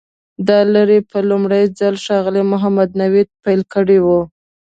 دا لړۍ په لومړي ځل ښاغلي محمد نوید پیل کړې وه.